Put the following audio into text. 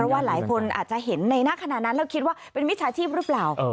ว่าหลายคนอาจจะเห็นในหน้าขณะนั้นแล้วคิดว่าเป็นมิจฉาชีพหรือเปล่า